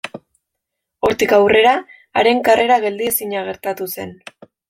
Hortik aurrera, haren karrera geldiezina gertatu zen.